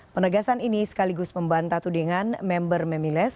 penegasan ini sekaligus membantah tudingan member memiles